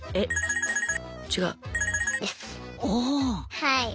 はい。